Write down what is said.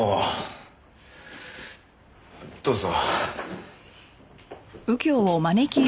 どうぞ。